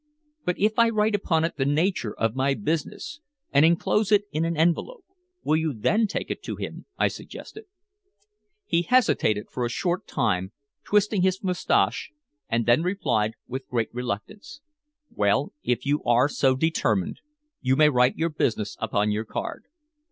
"But if I write upon it the nature of my business, and enclose it in an envelope, will you then take it to him?" I suggested. He hesitated for a short time, twisting his mustache, and then replied with great reluctance: "Well, if you are so determined, you may write your business upon your card."